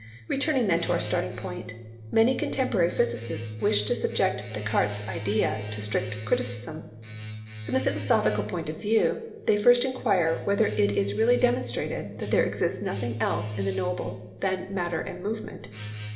Returning then to our starting point, many contemporary physicists wish to subject Descartes' idea to strict criticism. From the philosophical point of view, they first enquire whether it is really demonstrated that there exists nothing else in the knowable than matter and movement.